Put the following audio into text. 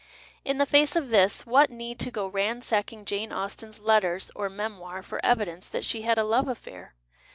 In the face of this, what need to go ransacking Jane Austen's Letters or Memoir for evidence that she had a love affair